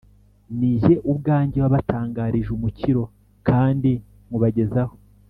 ni jye ubwanjye wabatangarije umukiro, kandi nywubagezaho;